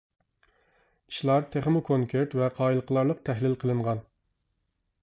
ئىشلار تېخىمۇ كونكرېت ۋە قايىل قىلارلىق تەھلىل قىلىنغان.